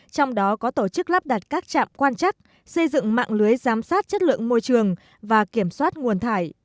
trong đó có tổ chức lắp đặt các trạm quan chắc xây dựng mạng lưới giám sát chất lượng môi trường và kiểm soát nguồn thải